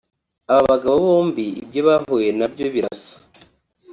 Aba bagabo bombi ibyo bahuye nabyo birasa